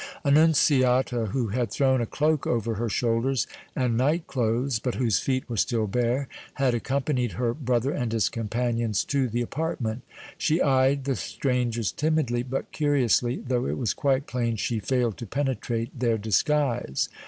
Annunziata, who had thrown a cloak over her shoulders and night clothes, but whose feet were still bare, had accompanied her brother and his companions to the apartment. She eyed the strangers timidly, but curiously, though it was quite plain she failed to penetrate their disguise.